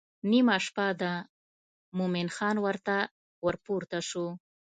نیمه شپه ده مومن خان ورته ورپورته شو.